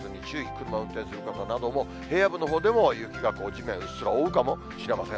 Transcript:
車運転する方なども、平野部のほうでも雪がうっすら地面を覆うかもしれません。